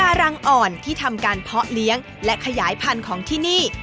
รังอ่อนที่ทำการเพาะเลี้ยงและขยายพันธุ์ของที่นี่